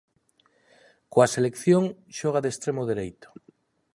Coa selección xoga de extremo dereito.